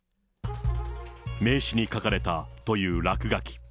名刺に書かれたという落書き。